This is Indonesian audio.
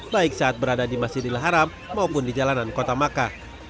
baik saat berada di masjidil haram maupun di jalanan kota makkah